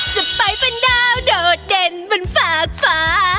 จะไปเป็นดาวโดดเด่นบนฝากฟ้า